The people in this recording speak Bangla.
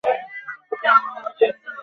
সুতরাং, আমার এখন মাথা খারাপ হয়ে গেছে!